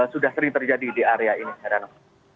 sudah sering terjadi di area ini sir ano